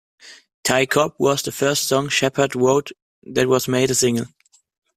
"Ty Cobb" was the first song Shepherd wrote that was made a single.